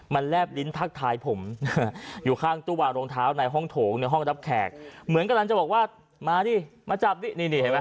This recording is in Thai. มันแรบลิ้นทายผมอาหารอยู่ข้างตู้ว่าโรงเท้าในห้องโถงในห้องรับแขกเหมือนกันจะบอกว่ามาดิมันจำลิ้นที่เลย